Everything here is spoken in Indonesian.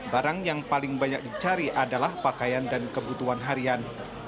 barang yang paling banyak dicari adalah pakaian dan kebutuhan harian